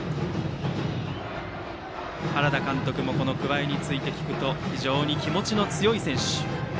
原田監督も桑江について聞くと非常に気持ちの強い選手と。